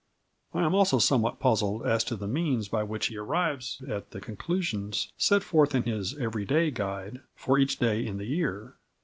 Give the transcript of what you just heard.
I am also somewhat puzzled as to the means by which he arrives at the conclusions set forth in his "every day" guide for each day in the year.